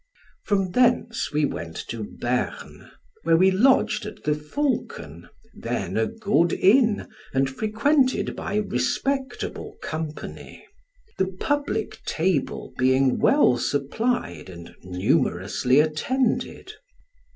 From thence we went to Berne, where we lodged at the Falcon, then a good inn, and frequented by respectable company; the public table being well supplied and numerously attended.